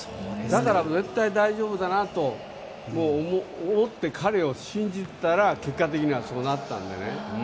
だから絶対大丈夫だなと思って彼を信じたら結果的にはそうなったのでね。